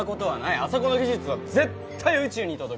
あそこの技術は絶対宇宙に届く